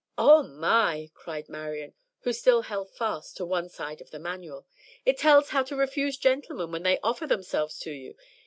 '" "Oh, my!" cried Marian, who still held fast to one side of the Manual. "It tells how to refuse gentlemen when they offer themselves to you.